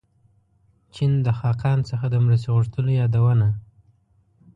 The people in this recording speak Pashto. چین د خاقان څخه د مرستې غوښتلو یادونه.